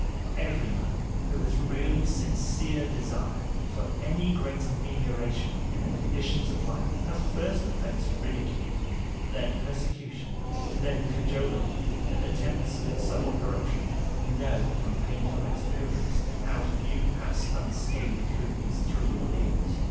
Every man who has really sincere desire for any great amelioration in the conditions of life has first to face ridicule, then persecution, then cajolery and attempts at subtle corruption. We know from painful experience how few pass unscathed through these three ordeals.